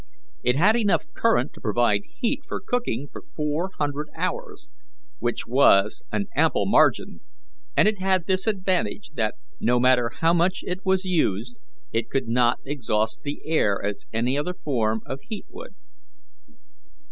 It had enough current to provide heat for cooking for four hundred hours, which was an ample margin, and it had this advantage, that, no matter how much it was used, it could not exhaust the air as any other form of heat would.